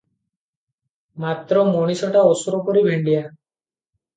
ମାତ୍ର ମଣିଷଟା ଅସୁର ପରି ଭେଣ୍ତିଆ ।